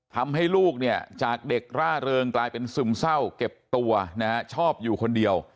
ทำให้ลูกเนี่ยจากเด็กร่าเริงกลายเป็นซึมเศร้าเก็บตัวนะฮะชอบอยู่คนเดียว